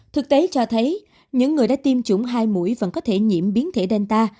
thực tế cho thấy những người đã tiêm chủng hai mũi vẫn có thể nhiễm biến thể danta